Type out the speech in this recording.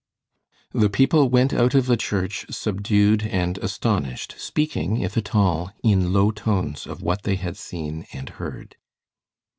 The people went out of the church, subdued and astonished, speaking, if at all, in low tones of what they had seen and heard.